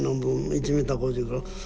１メーター５０から。